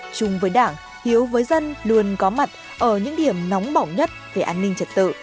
chung với đảng hiếu với dân luôn có mặt ở những điểm nóng bỏng nhất về an ninh trật tự